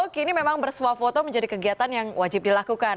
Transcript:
kini memang bersuah foto menjadi kegiatan yang wajib dilakukan